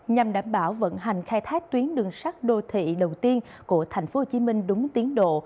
nhằm đảm bảo vận hành khai thác tuyến đường sắt đô thị đầu tiên của tp hcm đúng tiến độ